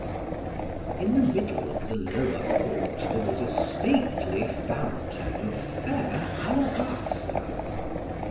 In the middle of the lower court there was a stately fountain of fair alabaster.